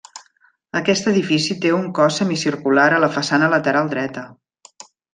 Aquest edifici té un cos semicircular a la façana lateral dreta.